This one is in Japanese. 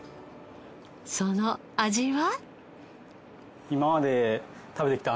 その味は？